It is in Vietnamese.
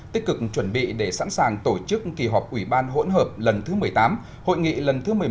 tích cực chuẩn bị để sẵn sàng tổ chức kỳ họp ủy ban hỗn hợp lần thứ một mươi tám hội nghị lần thứ một mươi một